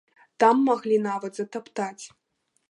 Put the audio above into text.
Там маглі нават затаптаць.